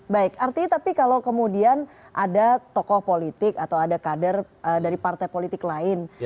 baik artinya tapi kalau kemudian ada tokoh politik atau ada kader dari partai politik lain